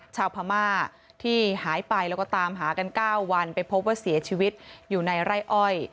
ชาวพม่าที่หายไปแล้วก็ตามหากัน๙วันไปพบว่าเสียชีวิตอยู่ในไร่อ้อย